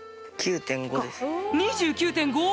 ２９．５⁉